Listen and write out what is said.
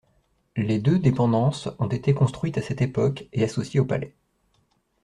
Les deux dépendances ont été construites à cette époque, et associées au palais.